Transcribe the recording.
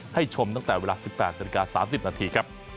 ให้ชมตั้งแต่เวลา๑๘๓๐นครับ